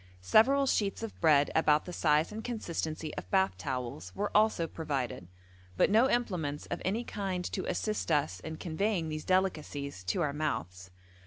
Several sheets of bread about the size and consistency of bath towels were also provided, but no implements of any kind to assist us in conveying these delicacies to our mouths.